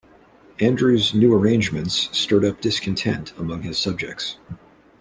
Andrew's "new arrangements" stirred up discontent among his subjects.